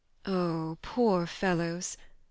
" Oh, poor fellows .